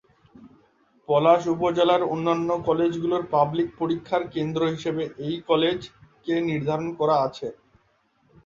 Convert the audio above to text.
পলাশ উপজেলার অন্যান্য কলেজ গুলোর পাবলিক পরীক্ষার কেন্দ্র হিসাবে এই কলেজ কে নির্ধারণ করা আছে।